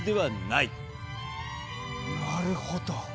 なるほど。